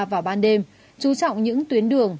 vào ban đêm chú trọng những tuyến đường